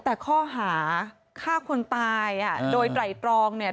แต่ข้อหาค่าคนตายโดยไตรองเนี่ย